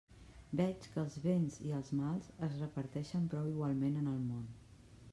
Veig que els béns i els mals es reparteixen prou igualment en el món.